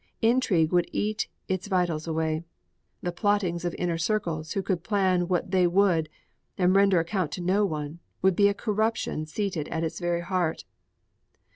Intrigue would eat its vitals away; the plottings of inner circles who could plan what they would and render account to no one would be a corruption seated at its very heart.